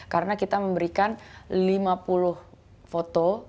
karena kita memberikan lima puluh foto